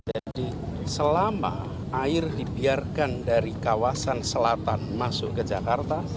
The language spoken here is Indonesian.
jadi selama air dibiarkan dari kawasan selatan masuk ke jakarta